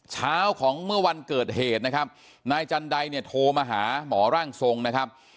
เช้าของเมื่อวันเกิดเหตุนะครับนายจันไดเนี่ยโทรมาหาหมอร่างทรงนะครับ